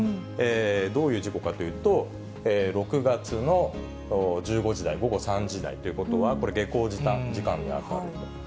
どういう事故かというと、６月の１５時台、午後３時台ということは、これ、下校時間に当たると。